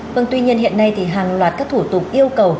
vâng tuy nhiên hiện nay thì hàng loạt các thủ tục yêu cầu